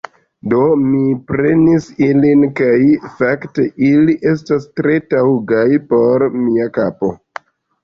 Do, mi prenis ilin kaj fakte ili estas tre taŭgaj por mia kapo